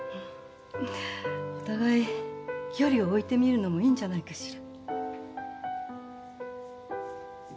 うんお互い距離を置いてみるのもいいんじゃないかしら。